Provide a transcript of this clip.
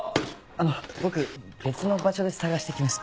あの僕別の場所で捜してきます。